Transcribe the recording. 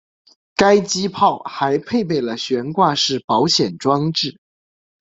该机炮还配备了悬挂式保险装置。